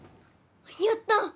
やった。